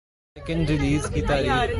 لیکن ریلیز کی تاریخ